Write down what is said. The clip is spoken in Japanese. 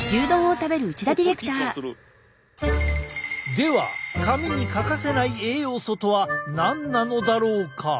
では髪に欠かせない栄養素とは何なのだろうか？